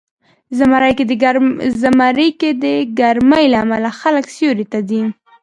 زمری کې د ګرمۍ له امله خلک سیوري ته ځي.